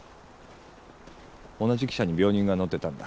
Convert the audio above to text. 同じ汽車に病人が乗ってたんだ